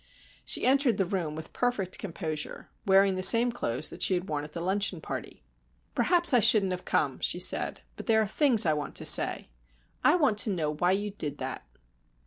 She entered the room with perfect composure, wearing the same clothes that she had worn at the luncheon party. "Perhaps I shouldn't have come," she said, "but there are things I want to say. I want to know why you did that."